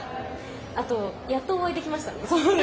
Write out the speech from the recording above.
あと、やっとお会いできましたね！